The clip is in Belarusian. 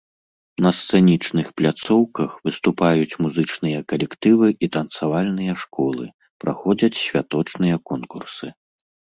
На сцэнічных пляцоўках выступаюць музычныя калектывы і танцавальныя школы, праходзяць святочныя конкурсы.